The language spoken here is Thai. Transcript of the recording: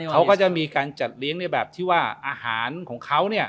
เขาก็จะมีการจัดเลี้ยงในแบบที่ว่าอาหารของเขา